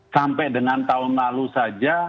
sampai dengan tahun lalu saja